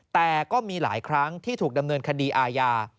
แต่ก็มีหลายครั้งที่ถูกดำเนินคดีอาญา